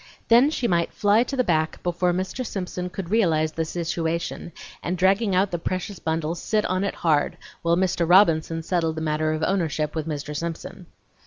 Then she might fly to the back before Mr. Simpson could realize the situation, and dragging out the precious bundle, sit on it hard, while Mr. Robinson settled the matter of ownership with Mr. Simpson.